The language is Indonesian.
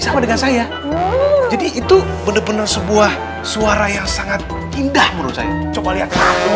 sama dengan saya jadi itu benar benar sebuah suara yang sangat indah menurut saya coba lihat